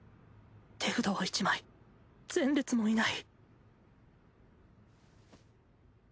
手札は一枚前列もいない